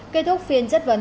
kết thúc phiên chất vấn